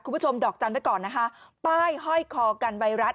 คุณผู้ชมดอกจันทร์ไว้ก่อนนะคะป้ายห้อยคอกันไวรัส